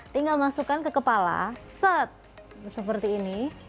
tinggal masukkan ke kepala set seperti ini